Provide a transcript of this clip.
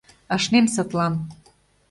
Ашнем садлан.